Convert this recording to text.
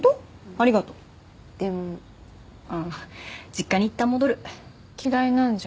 ありがとうでもああー実家にいったん戻る嫌いなんじゃ？